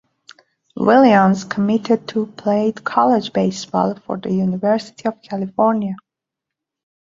Williams committed to played college baseball for the University of California.